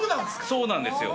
そうなんですよ。